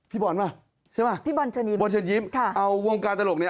พี่บอลน่ะใช่ไหมบอลฉันยิ้มเอาวงการตลกนี่